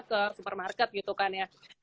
ke supermarket gitu kan ya